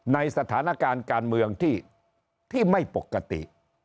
ในสถานการณ์การเมืองที่ไม่ปกติ